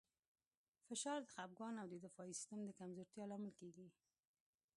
فشار د خپګان او د دفاعي سیستم د کمزورتیا لامل کېږي.